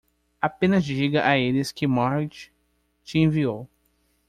Apenas diga a eles que Marge te enviou.